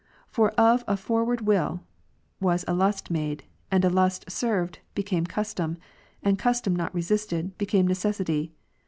For of a froward will, was a lust made ; and a lust served, became custom; and custom not resisted, became necessity.